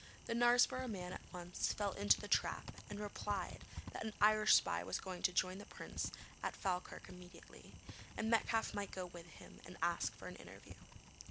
The Knaresborough man at once fell into the trap and replied that an Irish spy was going to join the Prince at Falkirk immediately, and Metcalfe might go with him and ask for an interview.